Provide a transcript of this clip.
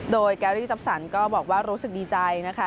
โดยแกรี่จั๊บสันก็บอกว่ารู้สึกดีใจนะคะ